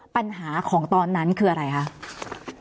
ปัญหาของตอนนั้นคืออะไรคะ